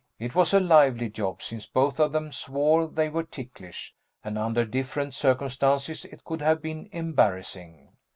It was a lively job, since both of them swore they were ticklish, and under different circumstances it could have been embarrassing.